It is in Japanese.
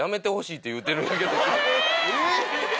えっ！